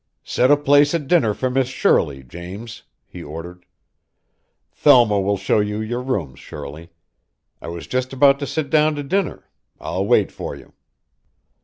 "Set a place at dinner for Miss Shirley, James," he ordered. "Thelma will show you your rooms, Shirley. I was just about to sit down to dinner. I'll wait for you."